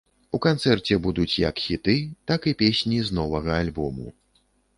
У канцэрце будуць як хіты, так і песні з новага альбому.